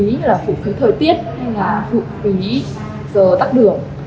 như là phụ phí thời tiết hay là phụ phí giờ tắt đường